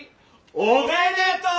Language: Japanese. おめでとう！